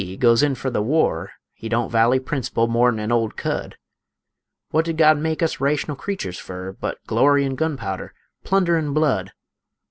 he goes in fer the war; He don't vally principle more'n an old cud; Wut did God make us raytional creeturs fer, But glory an' gunpowder, plunder an' blood?